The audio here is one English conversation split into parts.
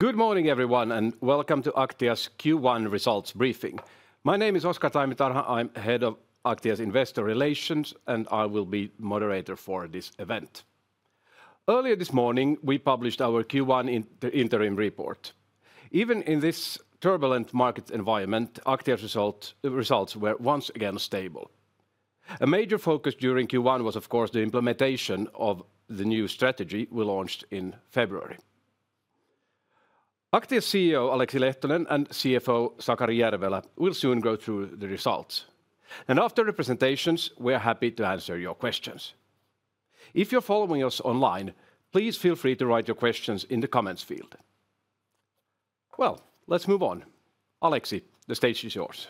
Good morning, everyone, and welcome to Aktia's Q1 results briefing. My name is Oscar Taimitarha. I'm head of Aktia's investor relations, and I will be the moderator for this event. Earlier this morning, we published our Q1 interim report. Even in this turbulent market environment, Aktia's results were once again stable. A major focus during Q1 was, of course, the implementation of the new strategy we launched in February. Aktia's CEO, Aleksi Lehtonen, and CFO, Sakari Järvelä, will soon go through the results. After the presentations, we are happy to answer your questions. If you're following us online, please feel free to write your questions in the comments field. Aleksi, the stage is yours.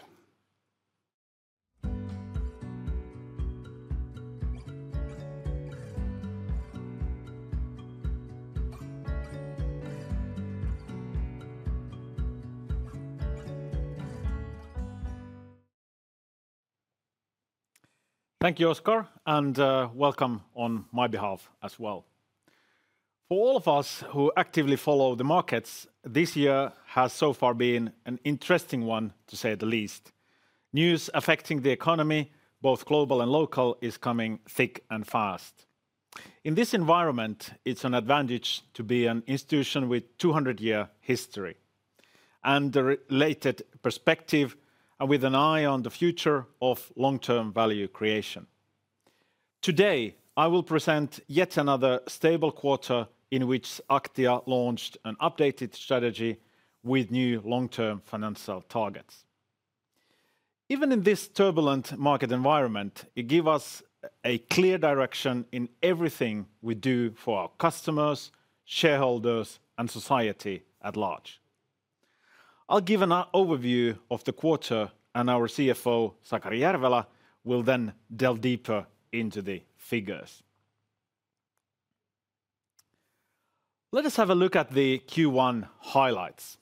Thank you, Oscar, and welcome on my behalf as well. For all of us who actively follow the markets, this year has so far been an interesting one, to say the least. News affecting the economy, both global and local, is coming thick and fast. In this environment, it is an advantage to be an institution with a 200-year history and a related perspective, and with an eye on the future of long-term value creation. Today, I will present yet another stable quarter in which Aktia launched an updated strategy with new long-term financial targets. Even in this turbulent market environment, it gives us a clear direction in everything we do for our customers, shareholders, and society at large. I will give an overview of the quarter, and our CFO, Sakari Järvelä, will then delve deeper into the figures. Let us have a look at the Q1 highlights.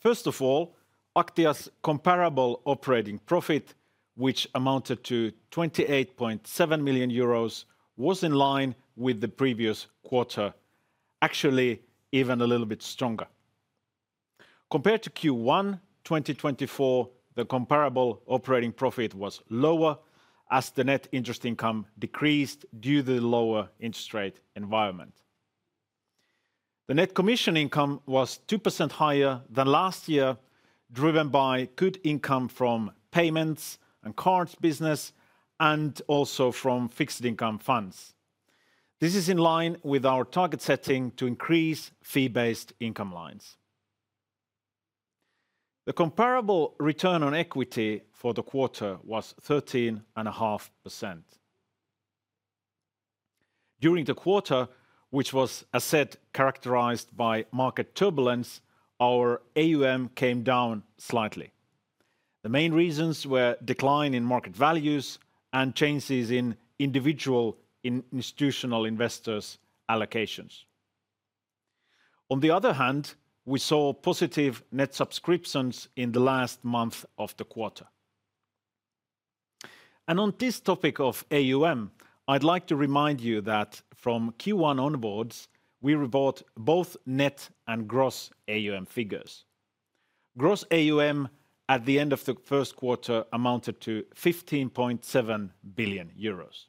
First of all, Aktia's comparable operating profit, which amounted to 28.7 million euros, was in line with the previous quarter, actually even a little bit stronger. Compared to Q1 2024, the comparable operating profit was lower as the net interest income decreased due to the lower interest rate environment. The net commission income was 2% higher than last year, driven by good income from payments and cards business, and also from fixed income funds. This is in line with our target setting to increase fee-based income lines. The comparable return on equity for the quarter was 13.5%. During the quarter, which was, as said, characterized by market turbulence, our AUM came down slightly. The main reasons were a decline in market values and changes in individual institutional investors' allocations. On the other hand, we saw positive net subscriptions in the last month of the quarter. On this topic of AUM, I'd like to remind you that from Q1 onwards, we report both net and gross AUM figures. Gross AUM at the end of the first quarter amounted to 15.7 billion euros.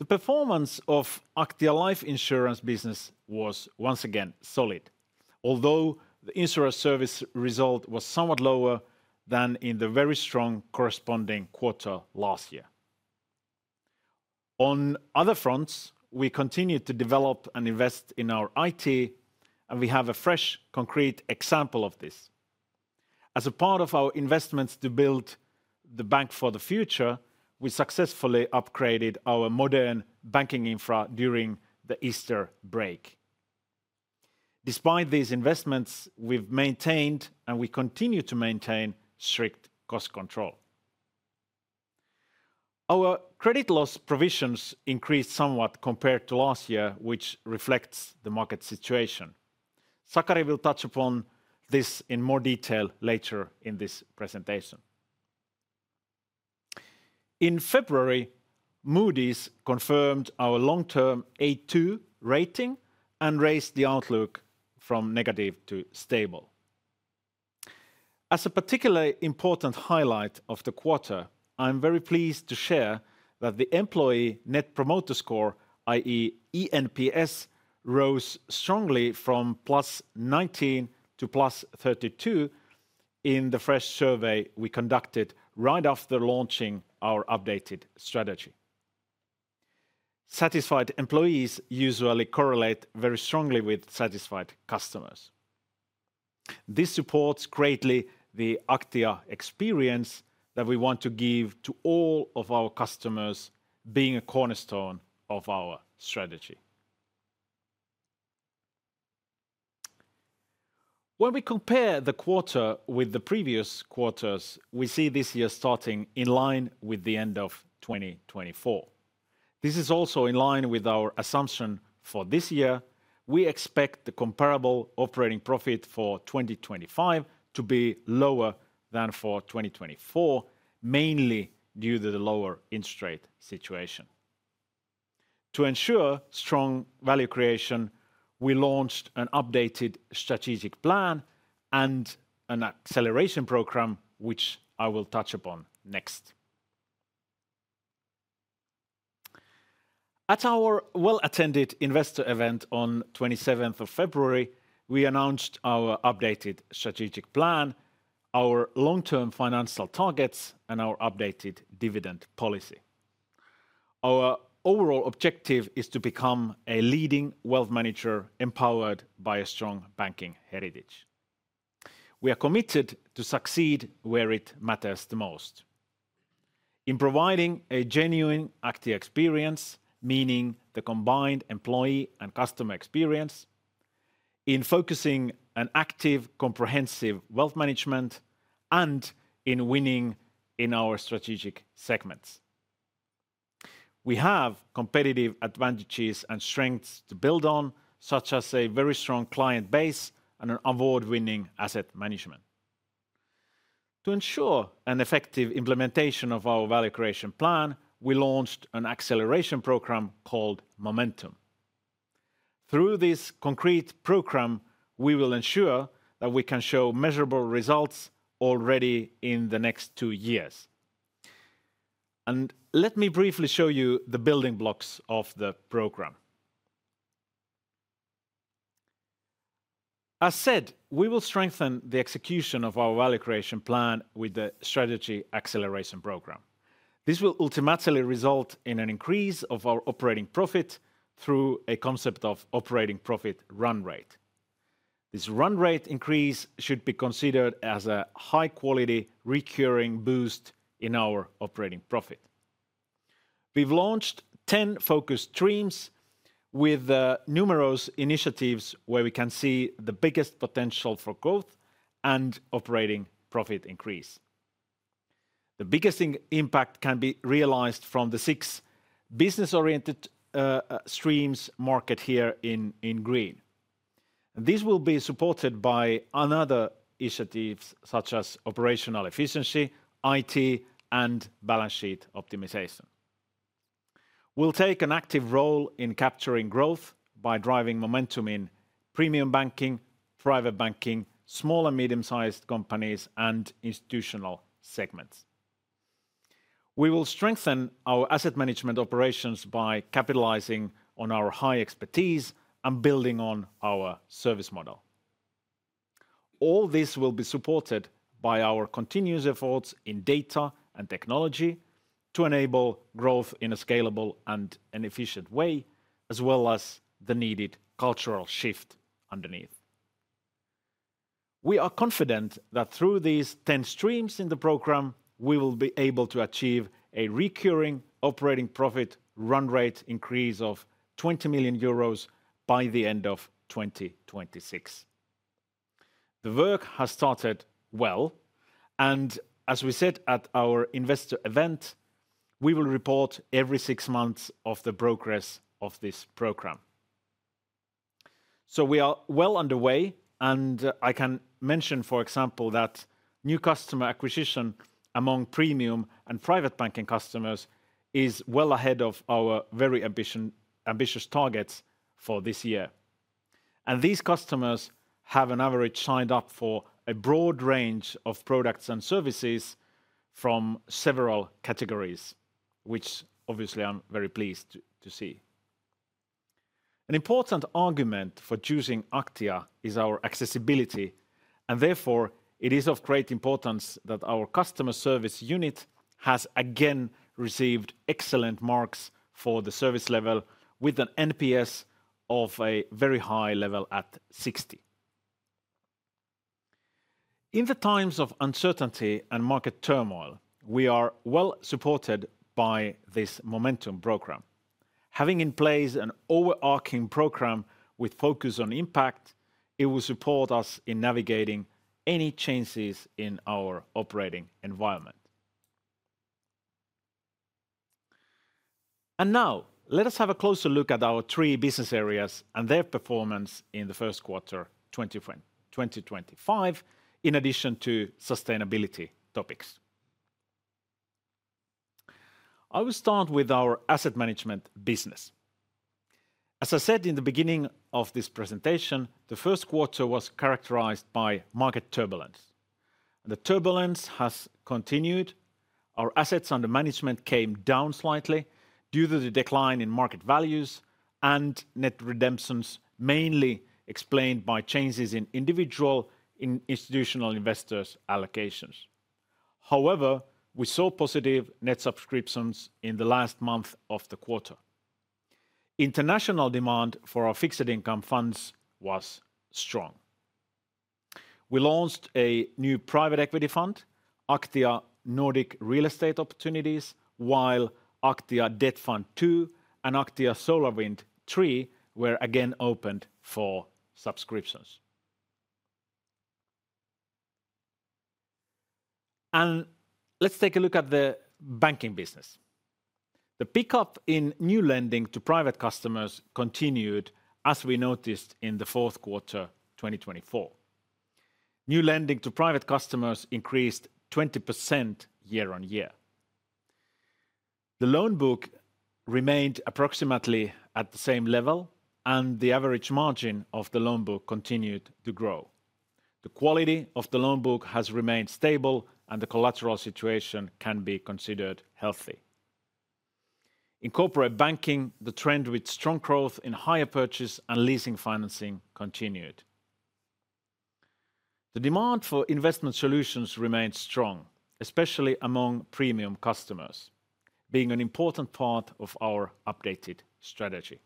The performance of Aktia Life Insurance business was once again solid, although the insurer service result was somewhat lower than in the very strong corresponding quarter last year. On other fronts, we continued to develop and invest in our IT, and we have a fresh, concrete example of this. As a part of our investments to build the bank for the future, we successfully upgraded our modern banking infra during the Easter break. Despite these investments, we've maintained, and we continue to maintain, strict cost control. Our credit loss provisions increased somewhat compared to last year, which reflects the market situation. Sakari will touch upon this in more detail later in this presentation. In February, Moody's confirmed our long-term A2 rating and raised the outlook from negative to stable. As a particularly important highlight of the quarter, I'm very pleased to share that the employee net promoter score, i.e., ENPS, rose strongly from +19-+32 in the fresh survey we conducted right after launching our updated strategy. Satisfied employees usually correlate very strongly with satisfied customers. This supports greatly the Aktia experience that we want to give to all of our customers, being a cornerstone of our strategy. When we compare the quarter with the previous quarters, we see this year starting in line with the end of 2024. This is also in line with our assumption for this year. We expect the comparable operating profit for 2025 to be lower than for 2024, mainly due to the lower interest rate situation. To ensure strong value creation, we launched an updated strategic plan and an acceleration program, which I will touch upon next. At our well-attended investor event on the 27th of February, we announced our updated strategic plan, our long-term financial targets, and our updated dividend policy. Our overall objective is to become a leading wealth manager empowered by a strong banking heritage. We are committed to succeed where it matters the most, in providing a genuine Aktia experience, meaning the combined employee and customer experience, in focusing on active comprehensive wealth management, and in winning in our strategic segments. We have competitive advantages and strengths to build on, such as a very strong client base and an award-winning asset management. To ensure an effective implementation of our value creation plan, we launched an acceleration program called Momentum. Through this concrete program, we will ensure that we can show measurable results already in the next two years. Let me briefly show you the building blocks of the program. As said, we will strengthen the execution of our value creation plan with the strategy acceleration program. This will ultimately result in an increase of our operating profit through a concept of operating profit run rate. This run rate increase should be considered as a high-quality recurring boost in our operating profit. We've launched 10 focus streams with numerous initiatives where we can see the biggest potential for growth and operating profit increase. The biggest impact can be realized from the six business-oriented streams marked here in green. These will be supported by other initiatives such as operational efficiency, IT, and balance sheet optimization. We'll take an active role in capturing growth by driving Momentum in premium banking, private banking, small and medium-sized companies, and institutional segments. We will strengthen our asset management operations by capitalizing on our high expertise and building on our service model. All this will be supported by our continuous efforts in data and technology to enable growth in a scalable and efficient way, as well as the needed cultural shift underneath. We are confident that through these 10 streams in the program, we will be able to achieve a recurring operating profit run rate increase of 20 million euros by the end of 2026. The work has started well, and as we said at our investor event, we will report every six months of the progress of this program. We are well underway, and I can mention, for example, that new customer acquisition among premium and private banking customers is well ahead of our very ambitious targets for this year. These customers have on average signed up for a broad range of products and services from several categories, which obviously I am very pleased to see. An important argument for choosing Aktia is our accessibility, and therefore it is of great importance that our customer service unit has again received excellent marks for the service level, with an NPS at a very high level at 60. In times of uncertainty and market turmoil, we are well supported by this Momentum Program. Having in place an overarching program with focus on impact, it will support us in navigating any changes in our operating environment. Now, let us have a closer look at our three business areas and their performance in the first quarter 2025, in addition to sustainability topics. I will start with our asset management business. As I said in the beginning of this presentation, the first quarter was characterized by market turbulence. The turbulence has continued. Our assets under management came down slightly due to the decline in market values and net redemptions, mainly explained by changes in individual and institutional investors' allocations. However, we saw positive net subscriptions in the last month of the quarter. International demand for our fixed income funds was strong. We launched a new private equity fund, Aktia Nordic Real Estate Opportunities, while Aktia Debt Fund 2 and Aktia Solar Wind 3 were again opened for subscriptions. Let's take a look at the banking business. The pickup in new lending to private customers continued, as we noticed in the fourth quarter 2024. New lending to private customers increased 20% year on year. The loan book remained approximately at the same level, and the average margin of the loan book continued to grow. The quality of the loan book has remained stable, and the collateral situation can be considered healthy. In corporate banking, the trend with strong growth in hire purchase and leasing financing continued. The demand for investment solutions remained strong, especially among premium customers, being an important part of our updated strategy.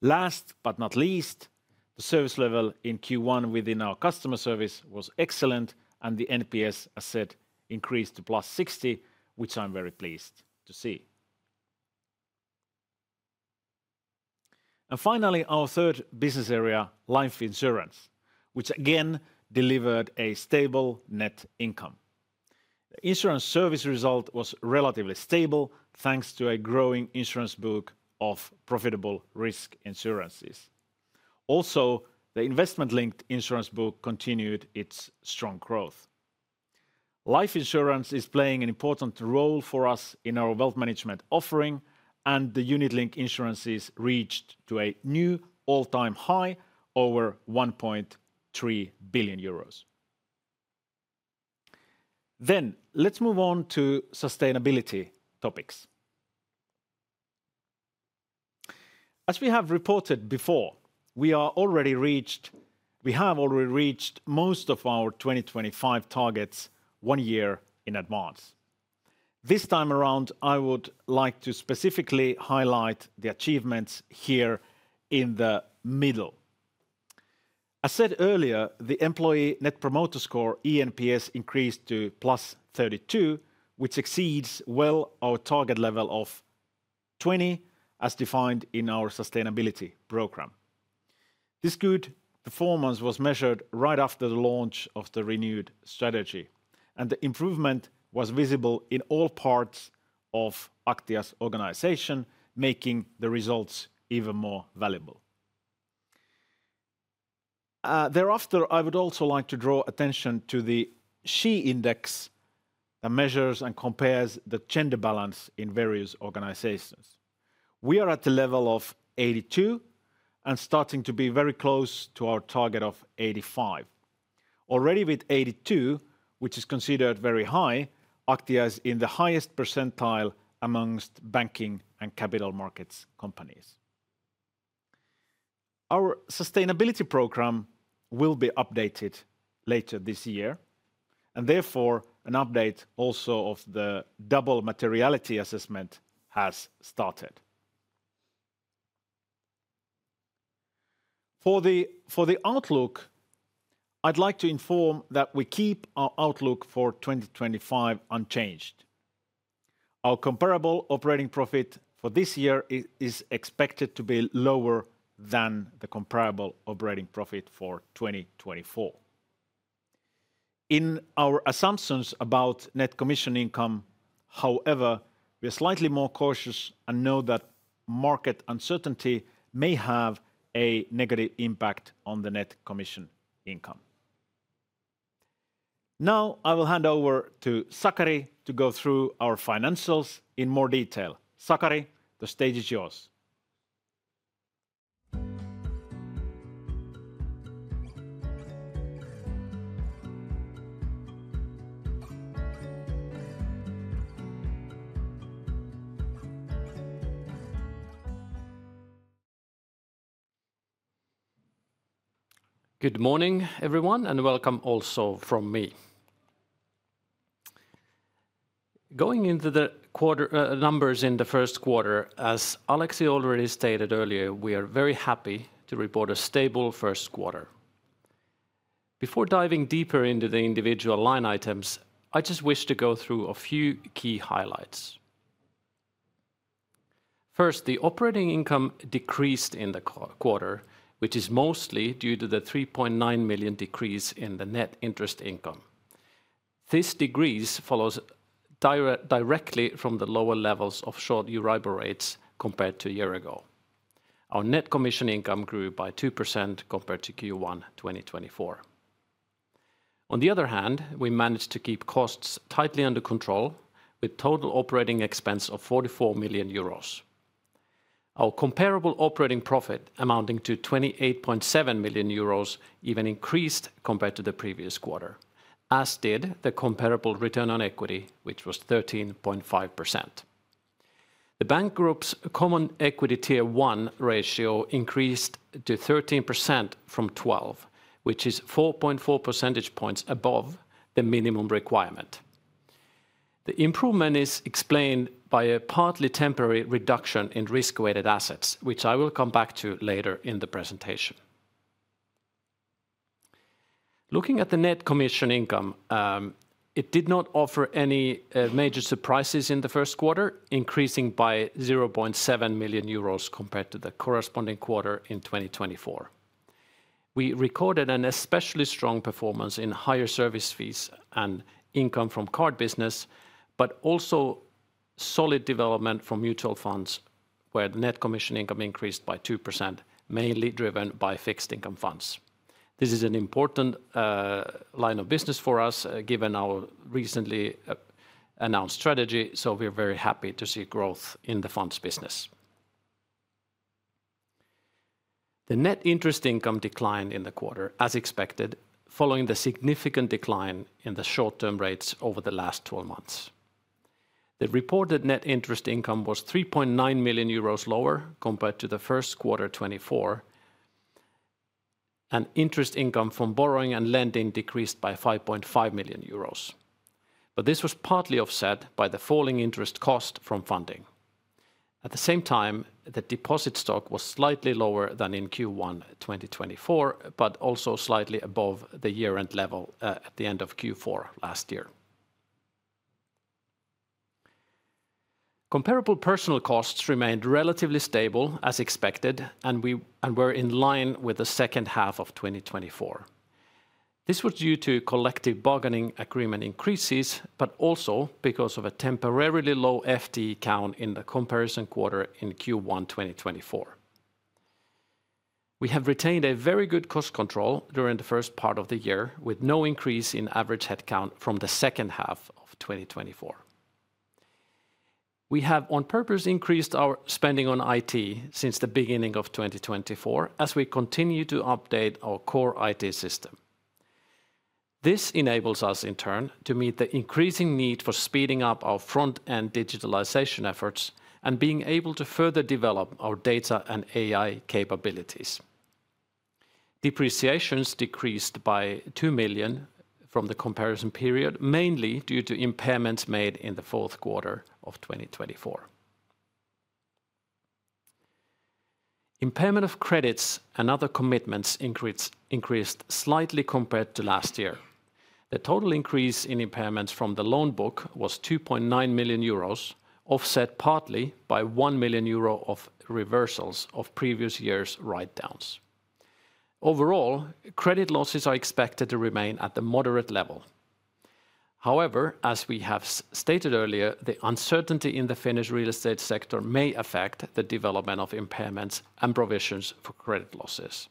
Last but not least, the service level in Q1 within our customer service was excellent, and the NPS, as said, increased to +60, which I'm very pleased to see. Finally, our third business area, life insurance, which again delivered a stable net income. The insurance service result was relatively stable, thanks to a growing insurance book of profitable risk insurances. Also, the investment-linked insurance book continued its strong growth. Life insurance is playing an important role for us in our wealth management offering, and the unit-linked insurances reached a new all-time high over 1.3 billion euros. Let's move on to sustainability topics. As we have reported before, we have already reached most of our 2025 targets one year in advance. This time around, I would like to specifically highlight the achievements here in the middle. As said earlier, the employee net promoter score ENPS increased to +32, which exceeds well our target level of 20, as defined in our sustainability program. This good performance was measured right after the launch of the renewed strategy, and the improvement was visible in all parts of Aktia's organization, making the results even more valuable. Thereafter, I would also like to draw attention to the SHE Index that measures and compares the gender balance in various organizations. We are at the level of 82 and starting to be very close to our target of 85. Already with 82, which is considered very high, Aktia is in the highest percentile amongst banking and capital markets companies. Our sustainability program will be updated later this year, and therefore an update also of the double materiality assessment has started. For the outlook, I'd like to inform that we keep our outlook for 2025 unchanged. Our comparable operating profit for this year is expected to be lower than the comparable operating profit for 2024. In our assumptions about net commission income, however, we are slightly more cautious and know that market uncertainty may have a negative impact on the net commission income. Now I will hand over to Sakari to go through our financials in more detail. Sakari, the stage is yours. Good morning, everyone, and welcome also from me. Going into the numbers in the first quarter, as Aleksi already stated earlier, we are very happy to report a stable first quarter. Before diving deeper into the individual line items, I just wish to go through a few key highlights. First, the operating income decreased in the quarter, which is mostly due to the 3.9 million decrease in the net interest income. This decrease follows directly from the lower levels of short Euribor rates compared to a year ago. Our net commission income grew by 2% compared to Q1 2024. On the other hand, we managed to keep costs tightly under control, with total operating expense of 44 million euros. Our comparable operating profit amounting to 28.7 million euros even increased compared to the previous quarter, as did the comparable return on equity, which was 13.5%. The bank group's Common Equity Tier one ratio increased to 13% from 12%, which is 4.4 percentage points above the minimum requirement. The improvement is explained by a partly temporary reduction in risk-weighted assets, which I will come back to later in the presentation. Looking at the net commission income, it did not offer any major surprises in the first quarter, increasing by 0.7 million euros compared to the corresponding quarter in 2024. We recorded an especially strong performance in higher service fees and income from card business, but also solid development from mutual funds, where the net commission income increased by 2%, mainly driven by fixed income funds. This is an important line of business for us, given our recently announced strategy, so we're very happy to see growth in the funds business. The net interest income declined in the quarter, as expected, following the significant decline in the short-term rates over the last 12 months. The reported net interest income was 3.9 million euros lower compared to the first quarter 2024, and interest income from borrowing and lending decreased by 5.5 million euros. This was partly offset by the falling interest cost from funding. At the same time, the deposit stock was slightly lower than in Q1 2024, but also slightly above the year-end level at the end of Q4 last year. Comparable personnel costs remained relatively stable, as expected, and were in line with the second half of 2024. This was due to collective bargaining agreement increases, but also because of a temporarily low FTE count in the comparison quarter in Q1 2024. We have retained very good cost control during the first part of the year, with no increase in average headcount from the second half of 2024. We have on purpose increased our spending on IT since the beginning of 2024, as we continue to update our core IT system. This enables us, in turn, to meet the increasing need for speeding up our front-end digitalization efforts and being able to further develop our data and AI capabilities. Depreciations decreased by 2 million from the comparison period, mainly due to impairments made in the fourth quarter of 2024. Impairment of credits and other commitments increased slightly compared to last year. The total increase in impairments from the loan book was 2.9 million euros, offset partly by 1 million euro of reversals of previous year's write-downs. Overall, credit losses are expected to remain at the moderate level. However, as we have stated earlier, the uncertainty in the Finnish real estate sector may affect the development of impairments and provisions for credit losses.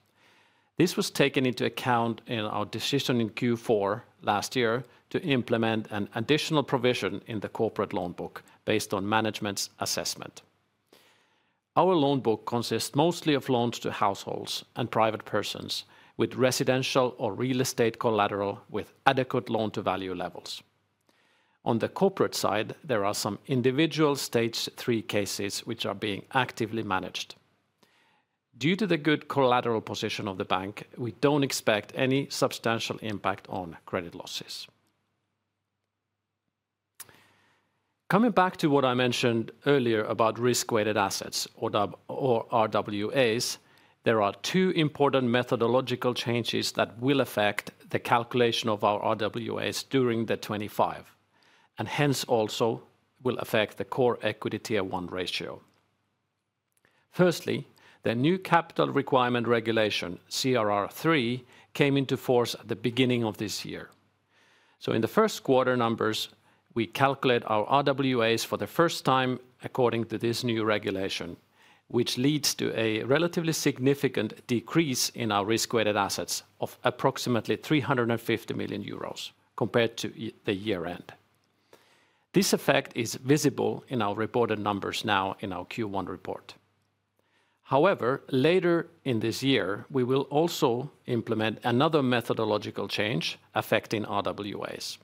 This was taken into account in our decision in Q4 last year to implement an additional provision in the corporate loan book based on management's assessment. Our loan book consists mostly of loans to households and private persons with residential or real estate collateral with adequate loan-to-value levels. On the corporate side, there are some individual stage 3 cases which are being actively managed. Due to the good collateral position of the bank, we do not expect any substantial impact on credit losses. Coming back to what I mentioned earlier about risk-weighted assets, or RWAs, there are two important methodological changes that will affect the calculation of our RWAs during 2025, and hence also will affect the core equity tier one ratio. Firstly, the new capital requirement regulation, CRR3, came into force at the beginning of this year. In the first quarter numbers, we calculate our RWAs for the first time according to this new regulation, which leads to a relatively significant decrease in our risk-weighted assets of approximately 350 million euros compared to the year-end. This effect is visible in our reported numbers now in our Q1 report. However, later in this year, we will also implement another methodological change affecting RWAs.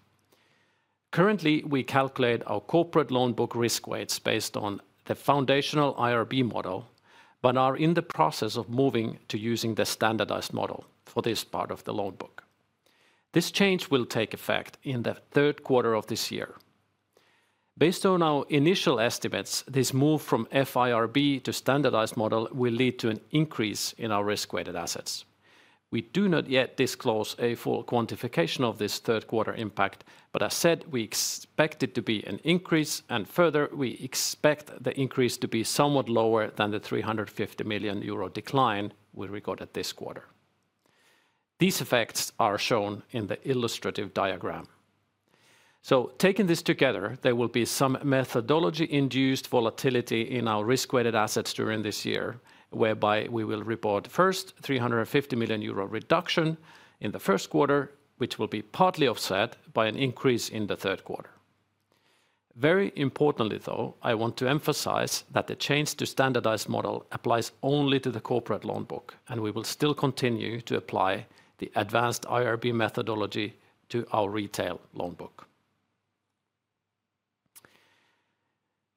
Currently, we calculate our corporate loan book risk weights based on the foundational IRB model, but are in the process of moving to using the standardized model for this part of the loan book. This change will take effect in the third quarter of this year. Based on our initial estimates, this move from FIRB to standardized model will lead to an increase in our risk-weighted assets. We do not yet disclose a full quantification of this third quarter impact, but as said, we expect it to be an increase, and further, we expect the increase to be somewhat lower than the 350 million euro decline we recorded this quarter. These effects are shown in the illustrative diagram. Taking this together, there will be some methodology-induced volatility in our risk-weighted assets during this year, whereby we will report first 350 million euro reduction in the first quarter, which will be partly offset by an increase in the third quarter. Very importantly, though, I want to emphasize that the change to standardized model applies only to the corporate loan book, and we will still continue to apply the advanced IRB methodology to our retail loan book.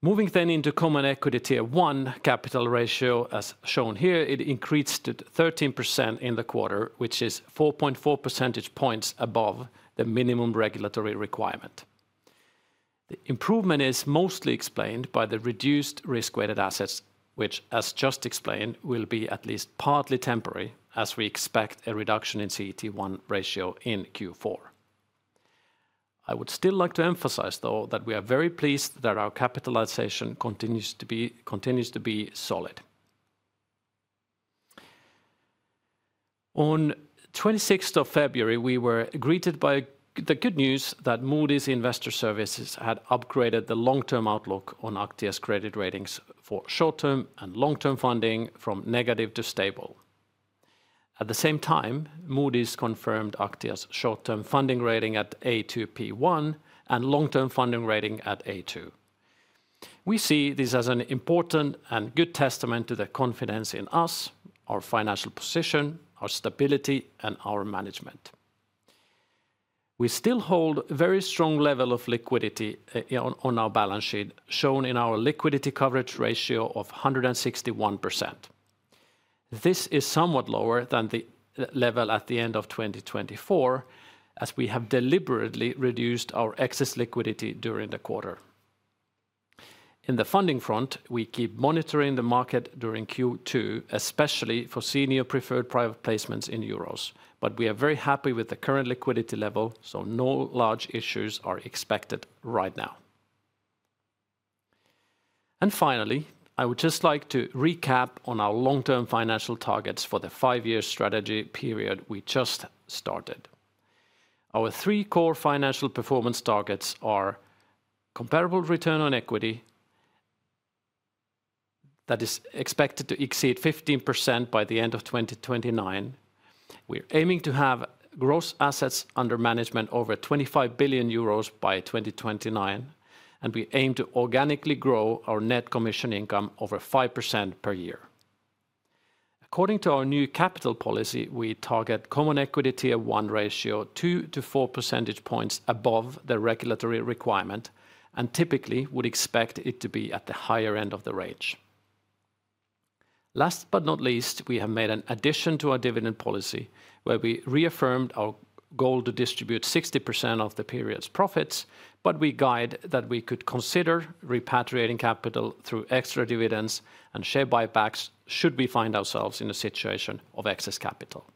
Moving then into Common Equity Tier one capital ratio, as shown here, it increased to 13% in the quarter, which is 4.4 percentage points above the minimum regulatory requirement. The improvement is mostly explained by the reduced risk-weighted assets, which, as just explained, will be at least partly temporary, as we expect a reduction in CET1 ratio in Q4. I would still like to emphasize, though, that we are very pleased that our capitalization continues to be solid. On 26th of February, we were greeted by the good news that Moody's Investor Services had upgraded the long-term outlook on Aktia's credit ratings for short-term and long-term funding from negative to stable. At the same time, Moody's confirmed Aktia's short-term funding rating at A2P1 and long-term funding rating at A2. We see this as an important and good testament to the confidence in us, our financial position, our stability, and our management. We still hold a very strong level of liquidity on our balance sheet, shown in our liquidity coverage ratio of 161%. This is somewhat lower than the level at the end of 2024, as we have deliberately reduced our excess liquidity during the quarter. On the funding front, we keep monitoring the market during Q2, especially for senior preferred private placements in euros, but we are very happy with the current liquidity level, so no large issues are expected right now. Finally, I would just like to recap on our long-term financial targets for the five-year strategy period we just started. Our three core financial performance targets are comparable return on equity that is expected to exceed 15% by the end of 2029. We are aiming to have gross assets under management over 25 billion euros by 2029, and we aim to organically grow our net commission income over 5% per year. According to our new capital policy, we target common equity tier one ratio 2-4 percentage points above the regulatory requirement, and typically would expect it to be at the higher end of the range. Last but not least, we have made an addition to our dividend policy, where we reaffirmed our goal to distribute 60% of the period's profits, but we guide that we could consider repatriating capital through extra dividends and share buybacks should we find ourselves in a situation of excess capital.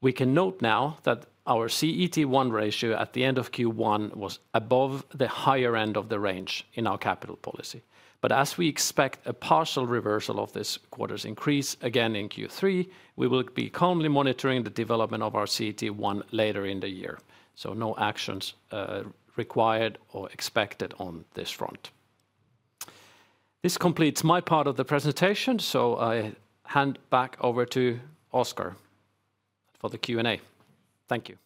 We can note now that our CET1 ratio at the end of Q1 was above the higher end of the range in our capital policy, but as we expect a partial reversal of this quarter's increase again in Q3, we will be calmly monitoring the development of our CET1 later in the year, so no actions required or expected on this front. This completes my part of the presentation, so I hand back over to Oscar for the Q&A. Thank you.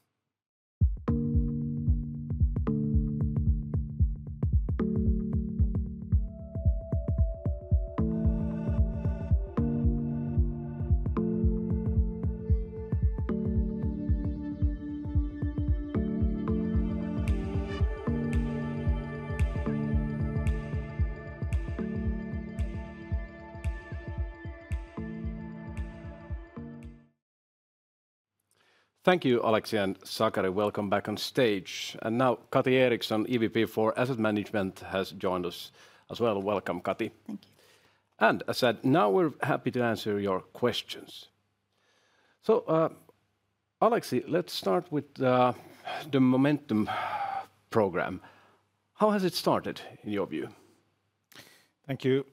Thank you, Aleksi and Sakari. Welcome back on stage. Now Kati Eriksson, EVP for Asset Management, has joined us as well. Welcome, Kati. Thank you. As said, now we're happy to answer your questions. Aleksi, let's start with the Momentum program. How has it started in your view? Thank you,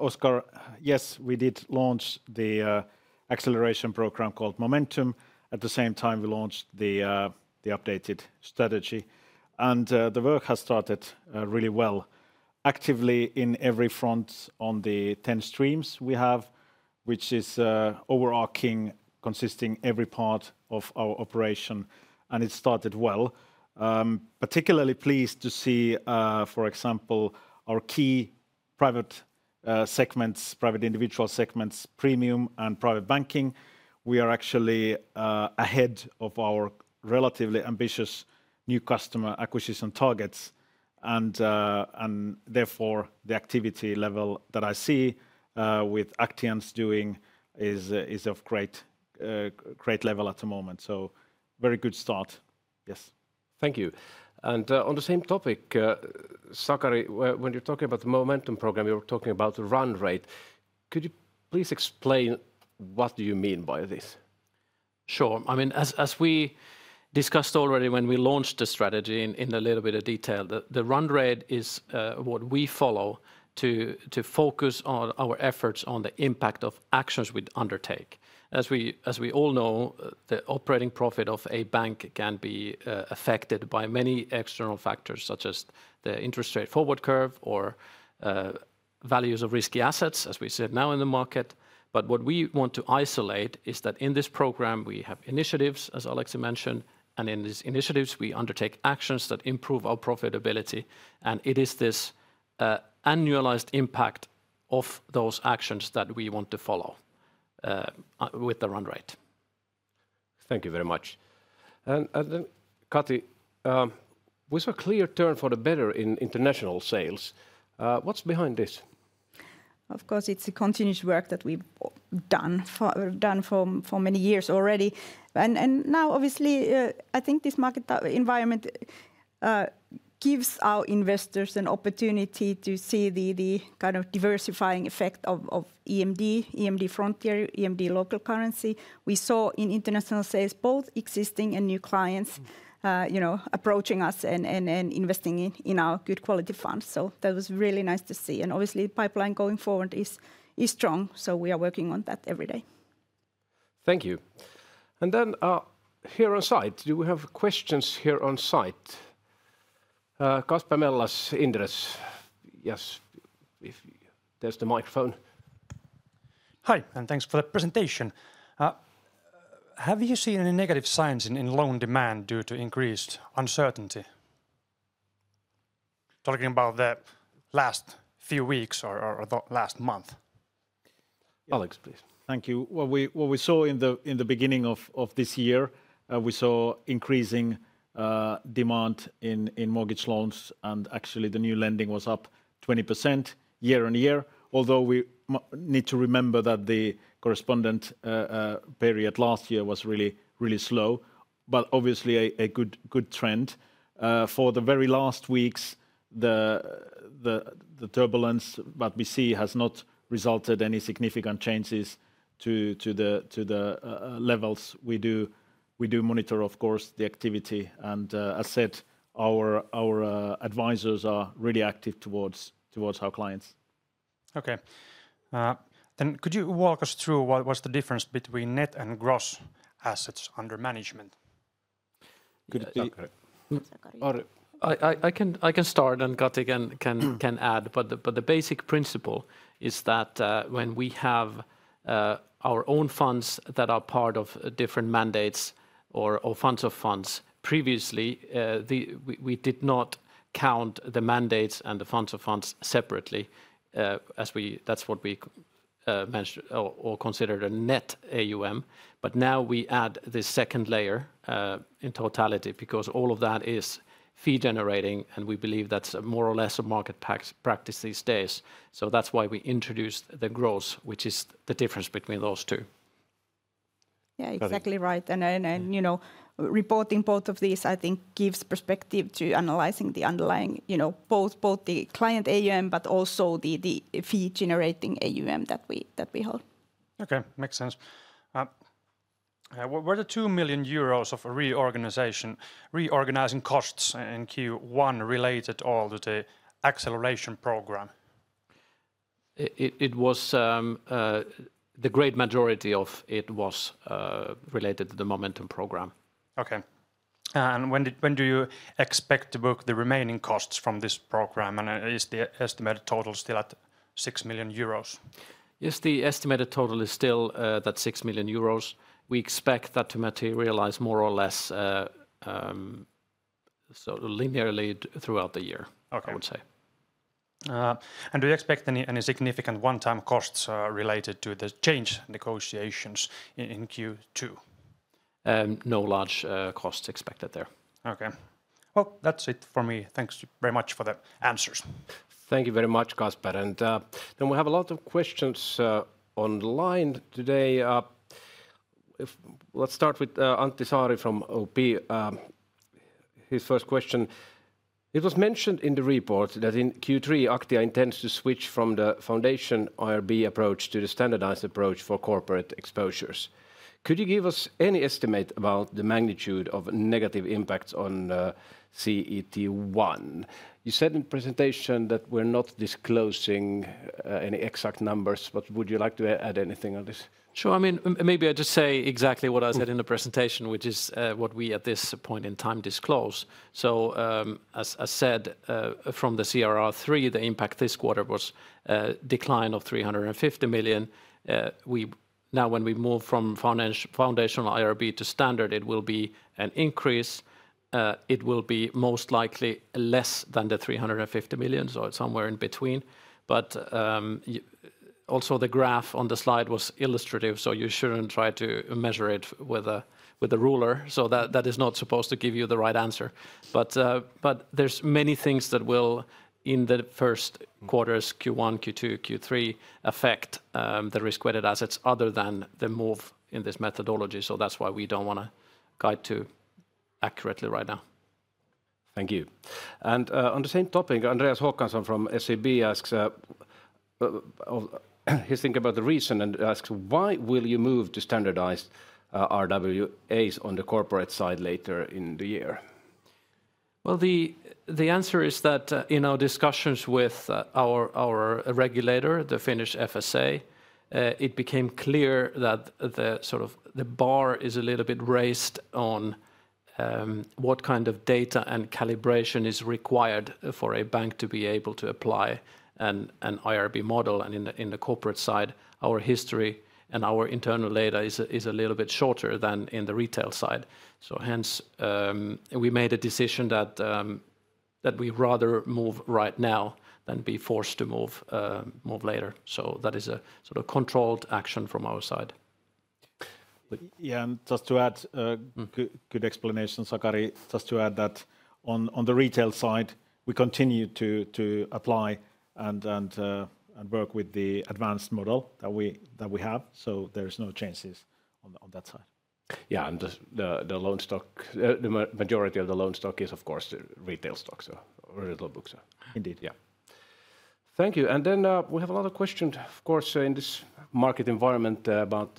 Oscar. Yes, we did launch the acceleration program called Momentum. At the same time, we launched the updated strategy, and the work has started really well. Actively in every front on the 10 streams we have, which is overarching, consisting of every part of our operation, and it started well. Particularly pleased to see, for example, our key private segments, private individual segments, premium and private banking. We are actually ahead of our relatively ambitious new customer acquisition targets, and therefore the activity level that I see with Aktians doing is of great level at the moment. Very good start. Yes. Thank you. On the same topic, Sakari, when you're talking about the Momentum program, you're talking about the run rate. Could you please explain what do you mean by this? Sure. I mean, as we discussed already when we launched the strategy in a little bit of detail, the run rate is what we follow to focus our efforts on the impact of actions we undertake. As we all know, the operating profit of a bank can be affected by many external factors, such as the interest rate forward curve or values of risky assets, as we see it now in the market. What we want to isolate is that in this program, we have initiatives, as Aleksi mentioned, and in these initiatives, we undertake actions that improve our profitability. It is this annualized impact of those actions that we want to follow with the run rate. Thank you very much. Kati, with a clear turn for the better in international sales, what's behind this? Of course, it's a continuous work that we've done for many years already. Now, obviously, I think this market environment gives our investors an opportunity to CDD kind of diversifying effect of EMD, EMD frontier, EMD local currency. We saw in international sales both existing and new clients approaching us and investing in our good quality funds. That was really nice to see. Obviously, the pipeline going forward is strong. We are working on that every day. Thank you. Here on site, do we have questions here on site? Kasper Mellas, Inderes. Yes, if there's the microphone. Hi, and thanks for the presentation. Have you seen any negative signs in loan demand due to increased uncertainty? Talking about the last few weeks or the last month. Alex, please. Thank you. What we saw in the beginning of this year, we saw increasing demand in mortgage loans, and actually the new lending was up 20% year on year. Although we need to remember that the corresponding period last year was really, really slow, but obviously a good trend. For the very last weeks, the turbulence that we see has not resulted in any significant changes to the levels. We do monitor, of course, the activity, and as said, our advisors are really active towards our clients. Okay. Could you walk us through what was the difference between net and gross assets under management? I can start, and Kati can add, but the basic principle is that when we have our own funds that are part of different mandates or funds of funds previously, we did not count the mandates and the funds of funds separately. That is what we considered a net AUM. Now we add the second layer in totality because all of that is fee generating, and we believe that is more or less a market practice these days. That is why we introduced the gross, which is the difference between those two. Yeah, exactly right. Reporting both of these, I think, gives perspective to analyzing the underlying, both the client AUM, but also DD-fee-generating AUM that we hold. Okay, makes sense. Were the 2 million euros of reorganizing costs in Q1 related all to the acceleration program? The great majority of it was related to the Momentum program. Okay. When do you expect to book the remaining costs from this program? Is the estimated total still at 6 million euros? Yes, the estimated total is still that 6 million euros. We expect that to materialize more or less linearly throughout the year, I would say. Do you expect any significant one-time costs related to the change negotiations in Q2? No large costs expected there. Thank you very much for the answers. Thank you very much, Kasper. We have a lot of questions online today. Let's start with Antti Saari from OUPI. His first question. It was mentioned in the report that in Q3, Aktia intends to switch from the foundation IRB approach to the standardized approach for corporate exposures. Could you give us any estimate about the magnitude of negative impacts on CET1? You said in the presentation that we're not disclosing any exact numbers, but would you like to add anything on this? Sure. I mean, maybe I just say exactly what I said in the presentation, which is what we at this point in time disclose. As said from the CRR3, the impact this quarter was a decline of 350 million. Now, when we move from foundational IRB to standard, it will be an increase. It will be most likely less than the 350 million, so it's somewhere in between. Also, the graph on the slide was illustrative, so you shouldn't try to measure it with a ruler. That is not supposed to give you the right answer. There are many things that will, in the first quarters, Q1, Q2, Q3, affect the risk-weighted assets other than the move in this methodology. That is why we do not want to guide too accurately right now. Thank you. On the same topic, Andreas Hakansson from SEB asks, he is thinking about the reason and asks, why will you move to standardized RWAs on the corporate side later in the year? The answer is that in our discussions with our regulator, the Finnish Financial Supervisory Authority, it became clear that the sort of the bar is a little bit raised on what kind of data and calibration is required for a bank to be able to apply an IRB model. In the corporate side, our history and our internal data is a little bit shorter than in the retail side. Hence, we made a decision that we rather move right now than be forced to move later. That is a sort of controlled action from our side. Yeah, and just to add, good explanation, Sakari, just to add that on the retail side, we continue to apply and work with the advanced model that we have. There are no changes on that side. Yeah, and the loan stock, the majority of the loan stock is, of course, retail stock, so very little books. Indeed. Yeah. Thank you. We have another question, of course, in this market environment, about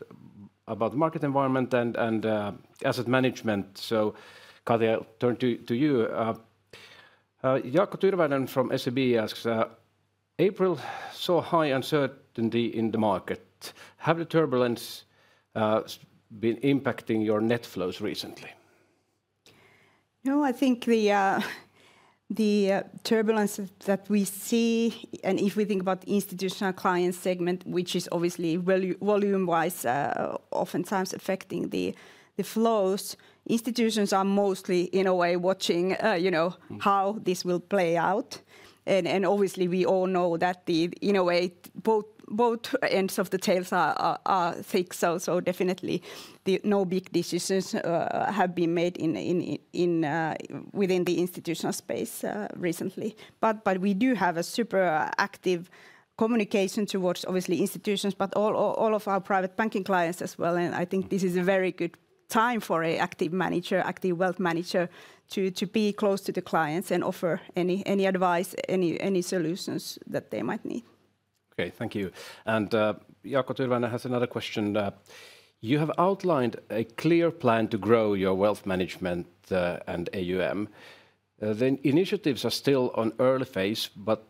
the market environment and asset management. Kati, I'll turn to you. Jaakko Tyrväinen from SEB asks, April saw high uncertainty in the market. Have the turbulence been impacting your net flows recently? No, I think the turbulence that we see, and if we think about the institutional client segment, which is obviously volume-wise, oftentimes affecting the flows, institutions are mostly, in a way, watching how this will play out. Obviously, we all know that, in a way, both ends of the tails are thick. Definitely, no big decisions have been made within the institutional space recently. We do have a super active communication towards, obviously, institutions, but all of our private banking clients as well. I think this is a very good time for an active manager, active wealth manager, to be close to the clients and offer any advice, any solutions that they might need. Okay, thank you. Jaakko Tyrväinen has another question. You have outlined a clear plan to grow your wealth management and AUM. The initiatives are still on early phase, but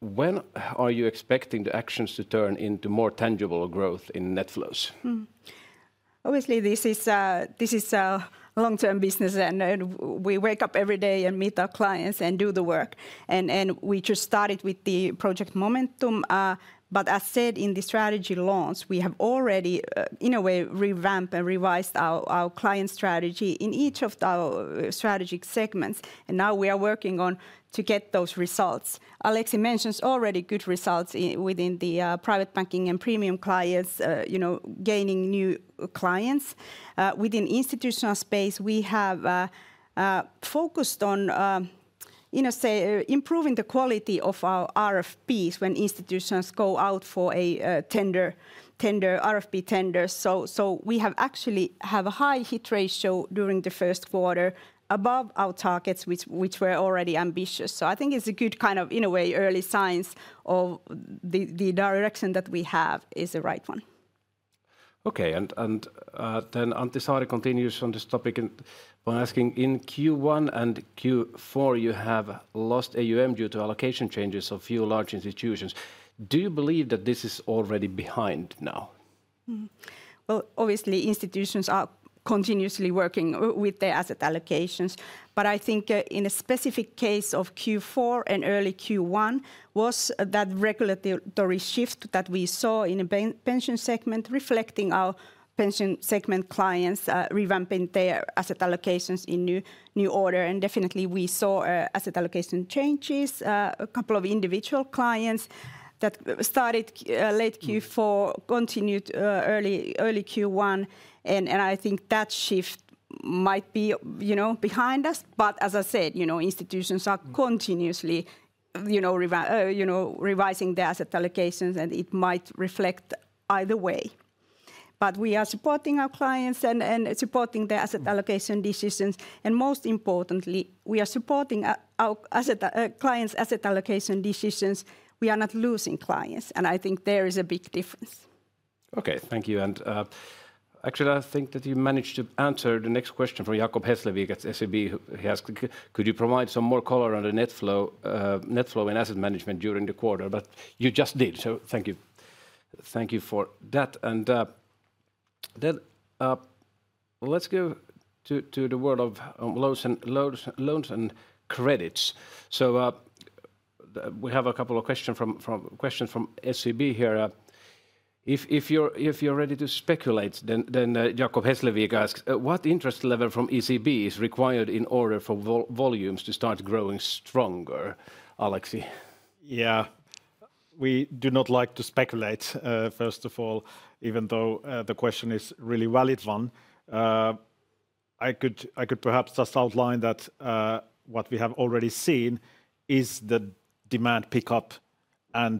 when are you expecting the actions to turn into more tangible growth in net flows? Obviously, this is a long-term business, and we wake up every day and meet our clients and do the work. We just started with the project Momentum. As said, in the strategy launch, we have already, in a way, revamped and revised our client strategy in each of our strategic segments. Now we are working on to get those results. Aleksi mentioned already good results within the private banking and premium clients, gaining new clients. Within institutional space, we have focused on improving the quality of our RFPs when institutions go out for RFP tenders. We have actually had a high hit ratio during the first quarter above our targets, which were already ambitious. I think it is a good kind of, in a way, early signs of the direction that we have is the right one. Okay, and then Antti Saari continues on this topic by asking, in Q1 and Q4, you have lost AUM due to allocation changes of few large institutions. Do you believe that this is already behind now? Obviously, institutions are continuously working with their asset allocations. I think in a specific case of Q4 and early Q1 was that regulatory shift that we saw in the pension segment reflecting our pension segment clients revamping their asset allocations in new order. Definitely, we saw asset allocation changes. A couple of individual clients that started late Q4 continued early Q1. I think that shift might be behind us. As I said, institutions are continuously revising their asset allocations, and it might reflect either way. We are supporting our clients and supporting their asset allocation decisions. Most importantly, we are supporting our clients' asset allocation decisions. We are not losing clients. I think there is a big difference. Okay, thank you. Actually, I think that you managed to answer the next question from Jacob Hesslevik at SEB. He asked, could you provide some more color on the net flow in asset management during the quarter? You just did. Thank you. Thank you for that. Let's go to the world of loans and credits. We have a couple of questions from SEB here. If you're ready to speculate, Jacob Hesslevik asks, what interest level from ECB is required in order for volumes to start growing stronger? Aleksi? Yeah, we do not like to speculate, first of all, even though the question is a really valid one. I could perhaps just outline that what we have already seen is the demand pickup.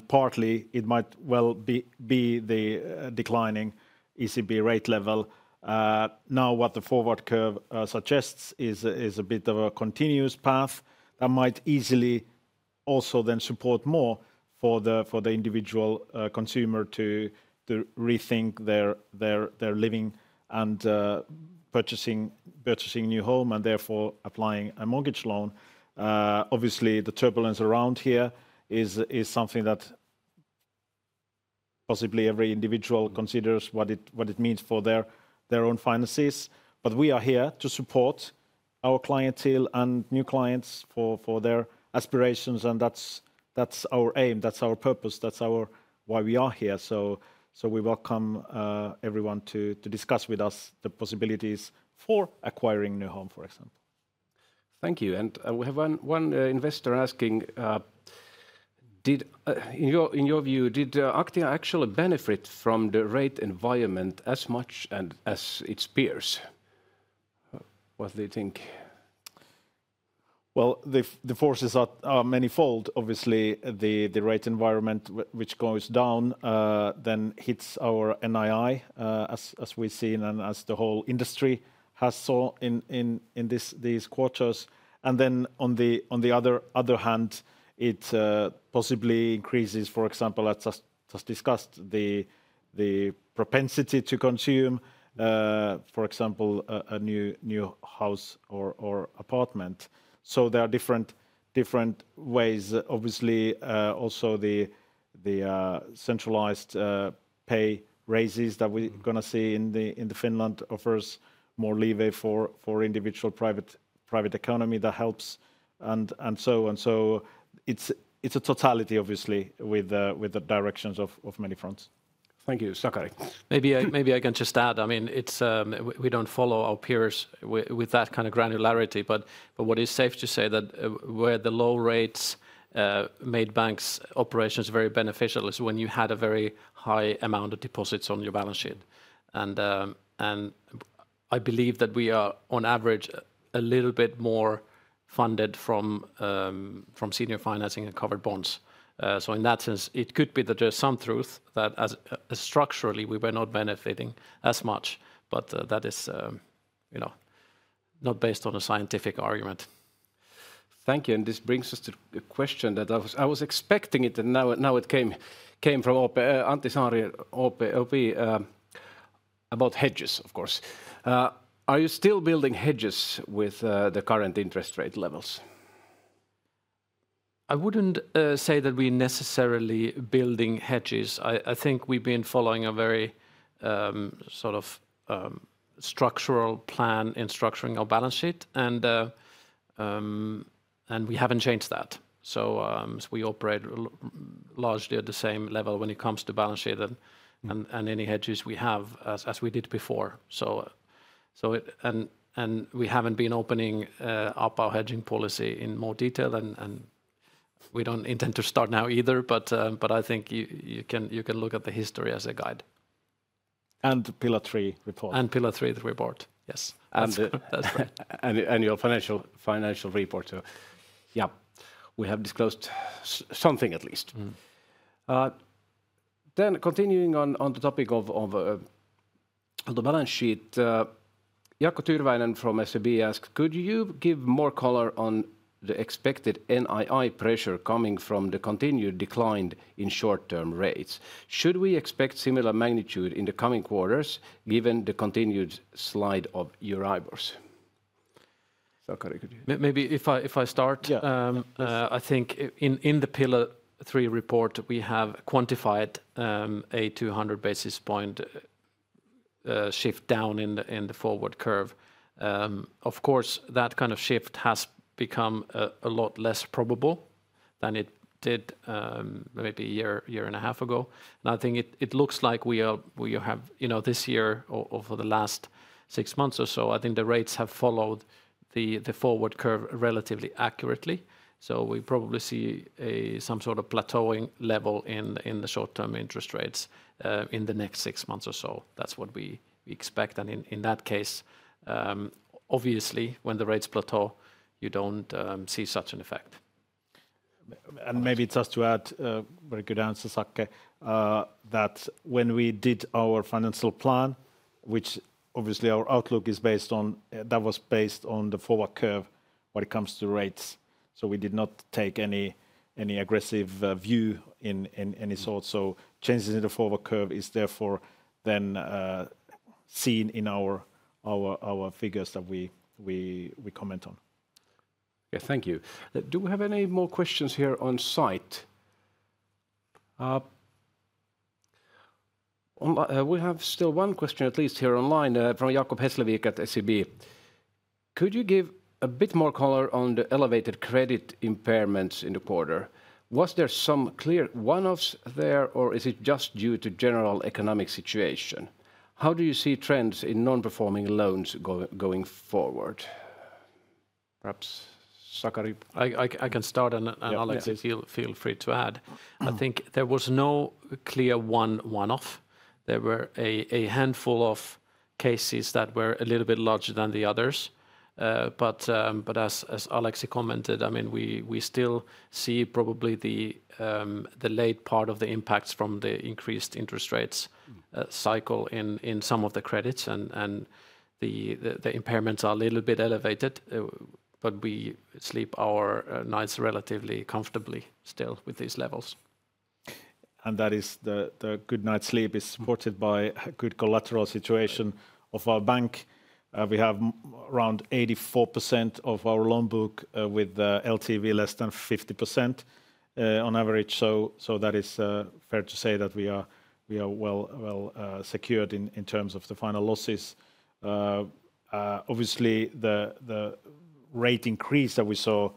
Partly, it might well be the declining ECB rate level. Now, what the forward curve suggests is a bit of a continuous path that might easily also then support more for the individual consumer to rethink their living and purchasing a new home and therefore applying a mortgage loan. Obviously, the turbulence around here is something that possibly every individual considers what it means for their own finances. We are here to support our clientele and new clients for their aspirations. That is our aim. That is our purpose. That is why we are here. We welcome everyone to discuss with us the possibilities for acquiring a new home, for example. Thank you. We have one investor asking, in your view, did Aktia actually benefit from the rate environment as much as its peers? What do you think? The forces are many-fold. Obviously, the rate environment, which goes down, then hits our NII, as we've seen, and as the whole industry has seen in these quarters. On the other hand, it possibly increases, for example, as just discussed, the propensity to consume, for example, a new house or apartment. There are different ways. Obviously, also the centralized pay raises that we're going to see in Finland offer more leeway for individual private economy that helps. And so on. It is a totality, obviously, with the directions of many fronts. Thank you, Sakari. Maybe I can just add. I mean, we don't follow our peers with that kind of granularity. What is safe to say is that where the low rates made banks' operations very beneficial is when you had a very high amount of deposits on your balance sheet. I believe that we are, on average, a little bit more funded from senior financing and covered bonds. In that sense, it could be that there is some truth that structurally we were not benefiting as much. That is not based on a scientific argument. Thank you. This brings us to a question that I was expecting, and now it came from Antti Saari, OUPI, about hedges, of course. Are you still building hedges with the current interest rate levels? I would not say that we are necessarily building hedges. I think we have been following a very sort of structural plan in structuring our balance sheet. We have not changed that. We operate largely at the same level when it comes to balance sheet and any hedges we have, as we did before. We have not been opening up our hedging policy in more detail. We do not intend to start now either. I think you can look at the history as a guide. Pillar Three report. Pillar Three report, yes. Your financial report too. Yeah, we have disclosed something at least. Continuing on the topic of the balance sheet, Jaakko Tyrväinen from SEB asked, could you give more color on the expected NII pressure coming from the continued decline in short-term rates? Should we expect similar magnitude in the coming quarters, given the continued slide of your IBORs? Sakari, could you? Maybe if I start. I think in the Pillar Three report, we have quantified a 200 basis point shift down in the forward curve. Of course, that kind of shift has become a lot less probable than it did maybe a year and a half ago. I think it looks like we have, this year or for the last six months or so, I think the rates have followed the forward curve relatively accurately. We probably see some sort of plateauing level in the short-term interest rates in the next six months or so. That is what we expect. In that case, obviously, when the rates plateau, you do not see such an effect. Maybe just to add, very good answer, Sake, that when we did our financial plan, which obviously our outlook is based on, that was based on the forward curve when it comes to rates. We did not take any aggressive view in any sort. Changes in the forward curve are therefore then seen in our figures that we comment on. Yeah, thank you. Do we have any more questions here on site? We have still one question at least here online from Jacob Hesslevik at SEB. Could you give a bit more color on the elevated credit impairments in the quarter? Was there some clear one-offs there, or is it just due to general economic situation? How do you see trends in non-performing loans going forward? Perhaps Sakari? I can start, and Aleksi is feel free to add. I think there was no clear one-off. There were a handful of cases that were a little bit larger than the others. As Aleksi commented, I mean, we still see probably the late part of the impacts from the increased interest rates cycle in some of the credits. The impairments are a little bit elevated. We sleep our nights relatively comfortably still with these levels. That good night's sleep is supported by a good collateral situation of our bank. We have around 84% of our loan book with LTV less than 50% on average. That is fair to say that we are well secured in terms of the final losses. Obviously, the rate increase that we saw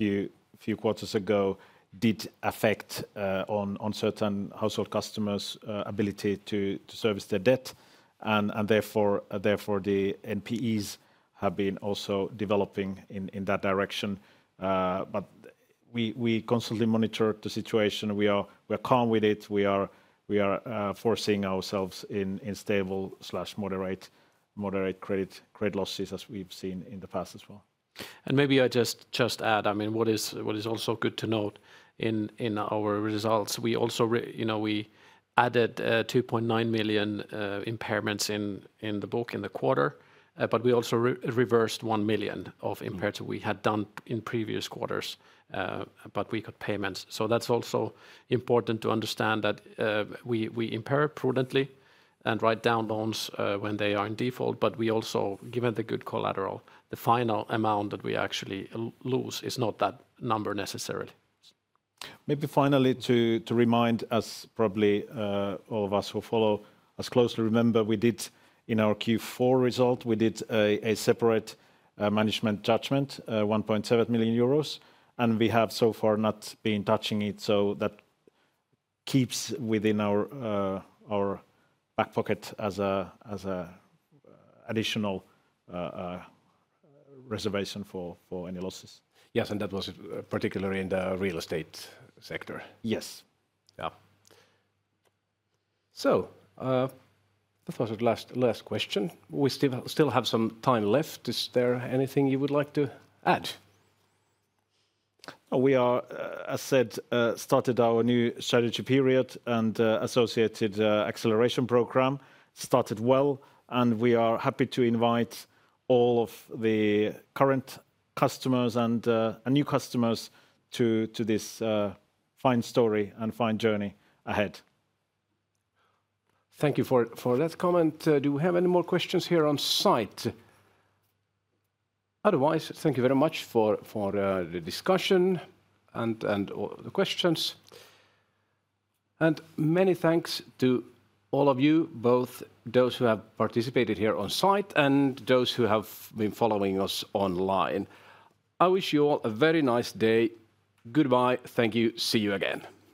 a few quarters ago did affect on certain household customers' ability to service their debt. Therefore, the NPEs have been also developing in that direction. We constantly monitor the situation. We are calm with it. We are forcing ourselves in stable/moderate credit losses as we've seen in the past as well. Maybe I just add, I mean, what is also good to note in our results, we also added 2.9 million impairments in the book in the quarter. We also reversed 1 million of impairs we had done in previous quarters because we got payments. That is also important to understand, that we impair prudently and write down loans when they are in default. We also, given the good collateral, the final amount that we actually lose is not necessarily that number. Maybe finally, to remind us, probably all of us who follow us closely remember we did in our Q4 result, we did a separate management judgment, 1.7 million euros. We have so far not been touching it. That keeps within our back pocket as an additional reservation for any losses. Yes, and that was particularly in the real estate sector. Yes. Yeah. That was the last question. We still have some time left. Is there anything you would like to add? We are, as said, started our new strategy period and associated acceleration program started well. We are happy to invite all of the current customers and new customers to this fine story and fine journey ahead. Thank you for that comment. Do we have any more questions here on site? Otherwise, thank you very much for the discussion and the questions. Many thanks to all of you, both those who have participated here on site and those who have been following us online. I wish you all a very nice day. Goodbye. Thank you. See you again.